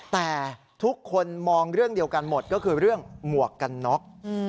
แต่ทุกคนมองเรื่องเดียวกันหมดก็คือเรื่องหมวกกันน็อก